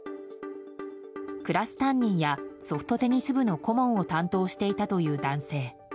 クラス担任やソフトテニス部の顧問を担当していたという男性。